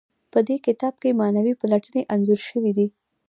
په دې کتاب کې معنوي پلټنې انځور شوي دي.